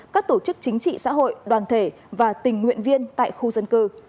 các tổ chức chính trị xã hội đoàn thể và tình nguyện viên tại khu dân cư